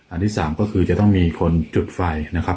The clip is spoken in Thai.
ที่สามก็คือจะต้องมีคนจุดไฟนะครับ